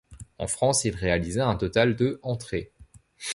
En France, il réalisa un total de entrées.